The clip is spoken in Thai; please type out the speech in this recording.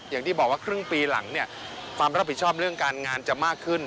อย่างที่บอกว่าครึ่งปีหลังเนี่ยความรับผิดชอบเรื่องการงานจะมากขึ้น